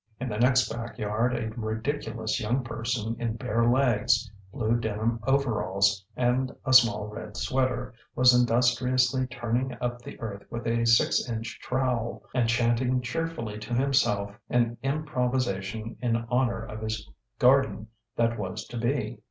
In the next back yard a ridiculous young person in bare legs, blue denim overalls and a small red sweater, was industriously turning up the earth with a six inch trowel, and chanting cheerfully to himself an improvisation in honour of his garden that was to be.